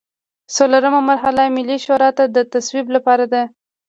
څلورمه مرحله ملي شورا ته د تصویب لپاره ده.